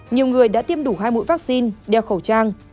nhiều người đã tiêm đủ hai mũi vaccine đeo khẩu trang